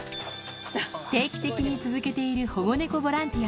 定期的に続けている保護猫ボランティア。